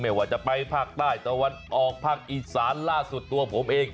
ไม่ว่าจะไปภาคใต้ตะวันออกศาลล่ะสุดตัวผมเอง